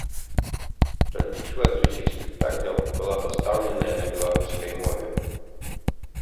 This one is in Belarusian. Толькі чвэрць усіх спектакляў была пастаўленая на беларускай мове.